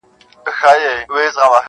• هغه ځان بدل کړی دی ډېر..